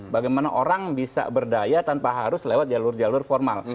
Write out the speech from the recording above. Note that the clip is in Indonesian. bagaimana orang bisa berdaya tanpa harus lewat jalur jalur formal